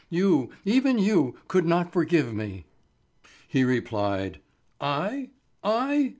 You, even you, could not forgive me." He replied: "I? I?